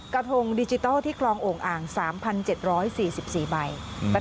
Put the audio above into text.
กระทงดิจิทัลที่คลองโอ่งอ่าง๓๗๔๔ใบ